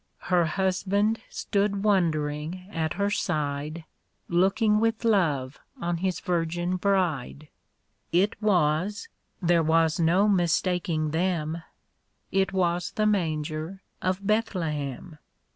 Her husband stood wondering at her side, Looking with love on his virgin bride ; It was ‚ÄĒ there was no mistaking thejn ‚ÄĒ It was the manger of Bethlehem